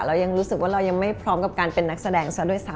เรายังรู้สึกว่าเรายังไม่พร้อมกับการเป็นนักแสดงซะด้วยซ้ำ